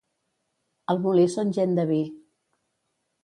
Al Molí són gent de vi.